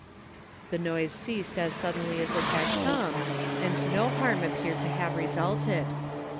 The noise ceased as suddenly as it had come, and no harm appeared to have resulted.